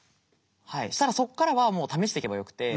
はいそしたらそっからはもう試していけばよくて。